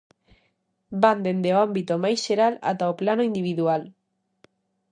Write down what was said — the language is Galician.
Van dende o ámbito máis xeral ata o plano individual.